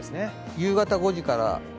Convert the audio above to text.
夕方５時から。